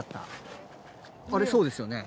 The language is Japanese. あれそうですよね？